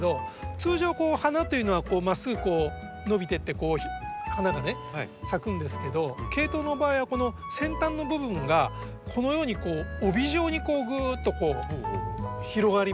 通常花というのはまっすぐ伸びてって花がね咲くんですけどケイトウの場合はこの先端の部分がこのように帯状にぐっと広がりましてね。